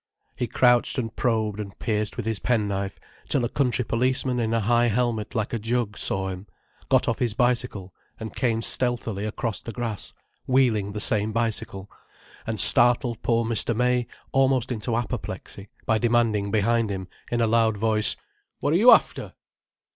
He crouched and probed and pierced with his pen knife, till a country policeman in a high helmet like a jug saw him, got off his bicycle and came stealthily across the grass wheeling the same bicycle, and startled poor Mr. May almost into apoplexy by demanding behind him, in a loud voice: "What're you after?"